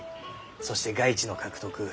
そして外地の獲得。